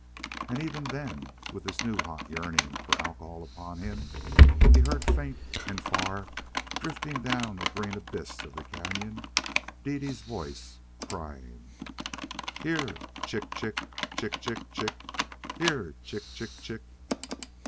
And even then, with this new hot yearning for the alcohol upon him, he heard, faint and far, drifting down the green abyss of the canon, Dede's voice, crying: "Here, chick, chick, chick, chick, chick! Here, chick, chick, chick!"